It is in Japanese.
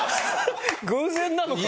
偶然なのかな？